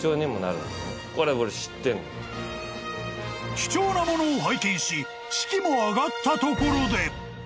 ［貴重な物を拝見し士気も上がったところで］